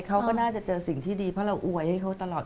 เขาก็น่าจะเจอสิ่งที่ดีเพราะเราอวยให้เขาตลอด